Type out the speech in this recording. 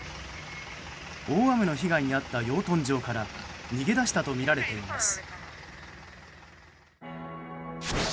大雨の被害に遭った養豚場から逃げ出したとみられています。